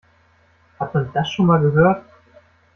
Hat man das schon mal gehört?